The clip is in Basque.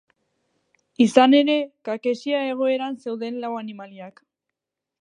Izan ere, kakexia egoeran zeuden lau animaliak.